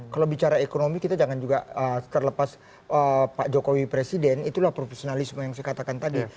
kalau bicara ekonomi kita jangan juga terlepas pak jokowi presiden itulah profesionalisme yang saya katakan tadi